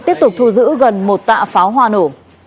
tiếp tục thu giữ gần một tạ pháo hoa nổ